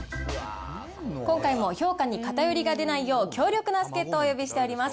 今回も評価に偏りが出ないよう、強力な助っ人をお呼びしております。